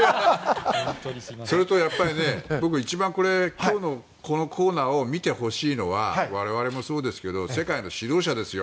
それと僕、一番今日のこのコーナーを見てほしいのは我々もそうですが世界の指導者ですよ。